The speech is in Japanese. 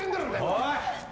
おい！